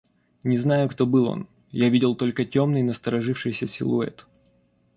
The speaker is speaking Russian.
Не знаю, кто был он: я видел только темный насторожившийся силуэт.